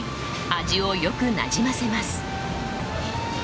味をよくなじませます。